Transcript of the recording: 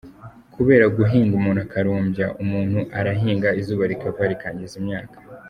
Kubera guhinga umuntu akarumbya umuntu arahinga izuba rikava rikangiza imyaka.